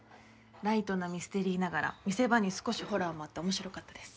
ライトなミステリーながら見せ場に少しホラーもあって面白かったです。